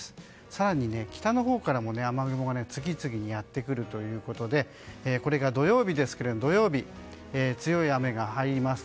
更に、北のほうからも雨雲が次々にやってくるということで土曜日、強い雨が入ります。